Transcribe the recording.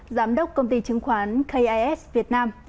giám đốc công ty chứng khoán kis việt nam